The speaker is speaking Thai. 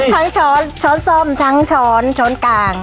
ทางช้อนส้มทั้งช้อนช้อนกาล